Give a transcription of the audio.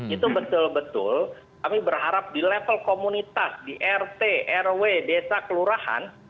itu betul betul kami berharap di level komunitas di rt rw desa kelurahan